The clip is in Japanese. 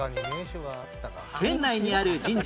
県内にある神社